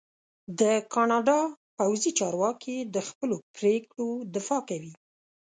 د کاناډا پوځي چارواکي د خپلو پرېکړو دفاع کوي.